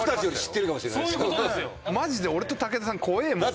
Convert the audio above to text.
マジで俺と武田さん怖えもん。